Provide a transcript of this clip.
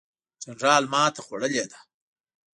جنرال ماته خوړلې ده.